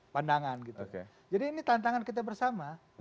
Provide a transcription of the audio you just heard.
pandangan gitu jadi ini tantangan kita bersama